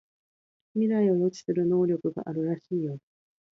未来を予知する能力があるらしいよ